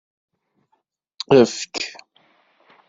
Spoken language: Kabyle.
Efk.